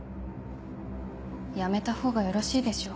やめたほうがよろしいでしょう